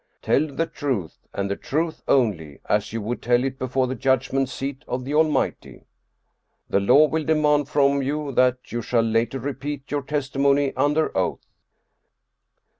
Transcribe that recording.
Tell the truth, and the truth only, as you would tell it before the judgment seat of the Almighty. The law will demand from you that you shall later repeat your testimony under oath."